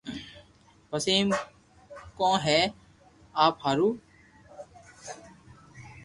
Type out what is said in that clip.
پسي ايم ڪون ھي آپ ھارو